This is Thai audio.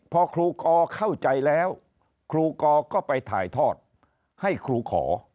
พอครูกอเข้าใจแล้วครูกอก็ไปถ่ายทอดให้ครูขอ